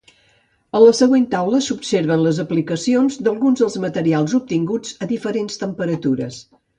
A la següent taula s'observen les aplicacions d'alguns dels materials obtinguts a diferents temperatures.